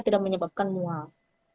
tidak menyebabkan mual